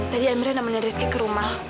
tadi amri namanya rizky ke rumah